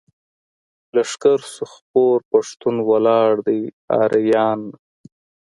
لښکر شو خپور پښتون ولاړ دی اریان.